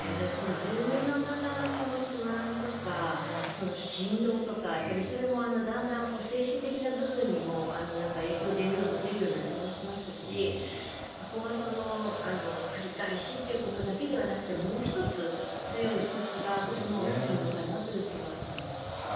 住民の方の不安とか振動とかそれも、だんだん精神的な部分にも影響が出るような気もしますしここは繰り返しということだけではなくてもう１つ、強い措置があってもいいのかなという気はします。